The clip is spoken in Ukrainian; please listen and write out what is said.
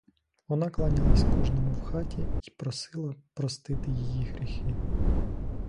Вона кланялась кожному в хаті й просила простити її гріхи.